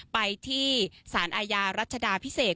ไปที่สารอาญารัชดาพิเศษ